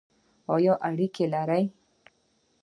ایا اریګی لرئ؟